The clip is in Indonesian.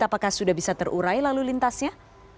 apakah sudah bisa terurai lalu lintasnya